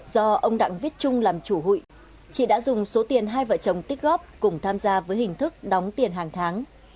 do ông đặng viết trung làm chủ hụi chị đã dùng số tiền hai vợ chồng tích góp cùng tham gia với hình thức đóng tiền hàng tháng